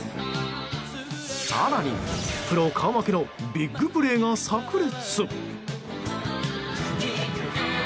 更に、プロ顔負けのビッグプレーが炸裂！